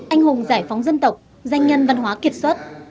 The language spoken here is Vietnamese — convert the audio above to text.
anh hùng giải phóng dân tộc danh nhân văn hóa kiệt xuất